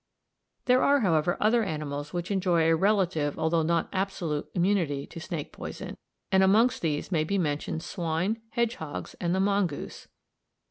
There are, however, other animals which enjoy a relative although not absolute immunity to snake poison, and amongst these may be mentioned swine, hedgehogs, and the mongoose.